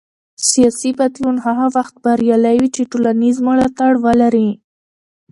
سیاسي بدلون هغه وخت بریالی وي چې ټولنیز ملاتړ ولري